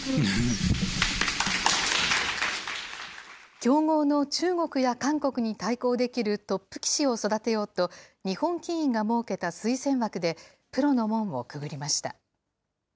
強豪の中国や韓国に対抗できるトップ棋士を育てようと、日本棋院が設けた推薦枠で、プロの門をくぐりました。